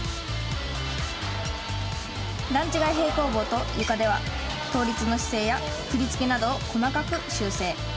段違い平行棒とゆかでは倒立の姿勢や振り付けなどを細かく修正。